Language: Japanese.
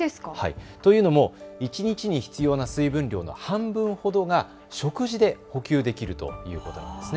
一日に必要な水分量の半分ほどが食事で補給できるということですね。